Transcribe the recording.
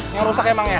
ini rusak emang ya